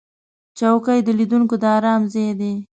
چوکۍ د لیدونکو د آرام ځای دی.